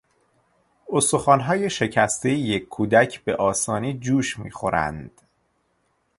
استخوانهای شکستهی یک کودک به آسانی جوش میخورند.